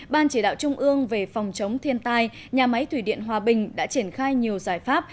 ban chỉ đạo trung ương về phòng chống thiên tai nhà máy thủy điện hòa bình đã triển khai nhiều giải pháp